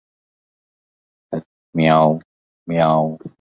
لاہور پہ سب کچھ لٹانے کے باوجود ن لیگ کو کیا ملا؟